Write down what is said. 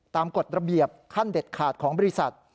กฎระเบียบขั้นเด็ดขาดของบริษัท